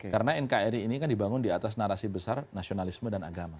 karena nkri ini kan dibangun di atas narasi besar nasionalisme dan agama